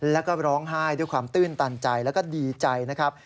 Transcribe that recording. แล้วก็ร้องไห้ด้วยความตื้นตันใจแล้วก็ดีใจนะครับ